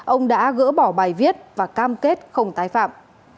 ông đã gỡ bỏ bài viết và cam kết không tái phạm